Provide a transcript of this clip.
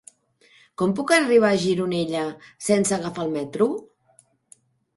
Com puc arribar a Gironella sense agafar el metro?